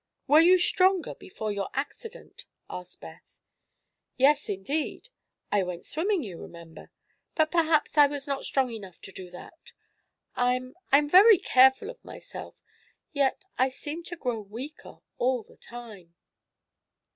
"Were you stronger before your accident?" asked Beth. "Yes, indeed. I went swimming, you remember. But perhaps I was not strong enough to do that. I I'm very careful of myself, yet I seem to grow weaker all the time."